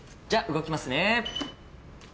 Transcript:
じゃあ動きますね！